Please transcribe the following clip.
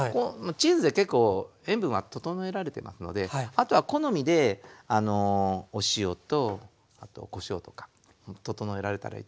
チーズで結構塩分は調えられてますのであとは好みでお塩とあとこしょうとか調えられたらいいと思う。